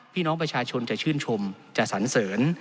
พี่น้องประชาชนจะชื่นชมจะสันเสริญ